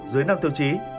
dưới năm tiêu chí